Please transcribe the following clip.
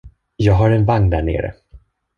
Jag har en vagn där nere.